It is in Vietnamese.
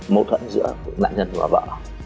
mâu thuẫn giữa đạn nhân và vợ